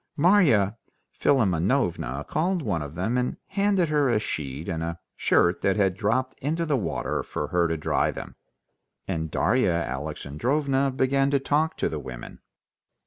Marya Philimonovna called one of them and handed her a sheet and a shirt that had dropped into the water for her to dry them, and Darya Alexandrovna began to talk to the women.